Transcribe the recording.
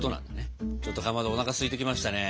ちょっとかまどおなかすいてきましたね。